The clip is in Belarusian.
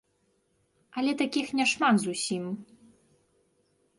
Але такіх няшмат зусім.